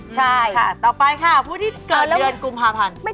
ใช่